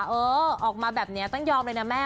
เออออกมาแบบนี้ต้องยอมเลยนะแม่